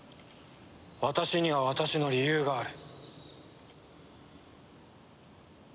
私には私の理由がある。